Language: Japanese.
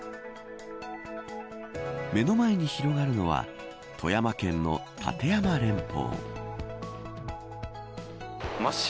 目の前に広がるのは富山県の立山連峰。